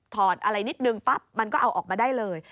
อะไรนิดนึงปั๊บมันก็เอาออกมาได้เลย